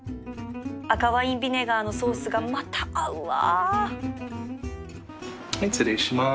赤ワインビネガーのソースがまた合うわ失礼します。